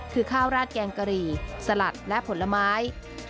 คือข้าวราดแกงกะหรี่สลัดและผลไม้